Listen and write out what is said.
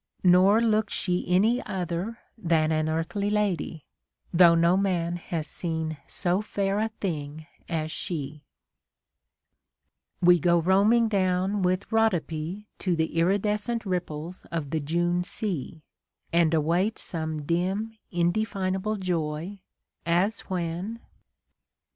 Nor looked she any other than An earthly lady, though no man Has seen so fair a thing as she. We go roaming down with Rhodope to the iridescent ripples of the June sea, and await some dim indefinable joy, as when, — A DAY WITH WILLIAM MORRIS.